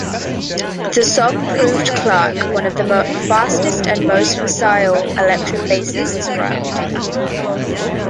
The song proved Clarke "one of the fastest and most facile electric bassists around".